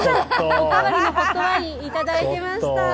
おかわりのホットワイン、いただいてました。